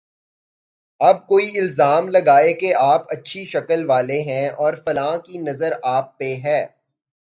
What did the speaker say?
اب کوئی الزام لگائے کہ آپ اچھی شکل والے ہیں اور فلاں کی نظر آپ پہ ہے۔